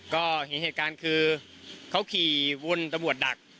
ก็เห็นเหตุการณ์คือเขาขี่วนตำรวจดัก